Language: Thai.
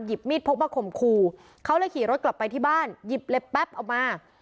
มีดพกมาข่มขู่เขาเลยขี่รถกลับไปที่บ้านหยิบเล็บแป๊บออกมา